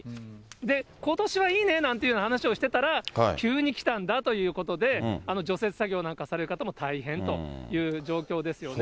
で、ことしはいいねなんて話をしてたら、急に来たんだということで、除雪作業なんかされる方も大変という状況ですよね。